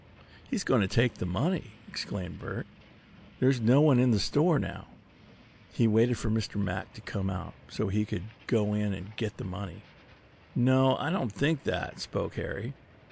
"He's going to take the money!" exclaimed Bert. "There's no one in the store now. He waited for Mr. Mack to come out, so he could go in and get the money." "No, I don't think that," spoke Harry.